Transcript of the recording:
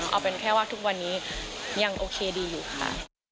เอาเป็นแค่ว่าทุกวันนี้ยังโอเคดีอยู่ค่ะ